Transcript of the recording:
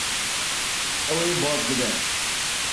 Ew ê baz bide.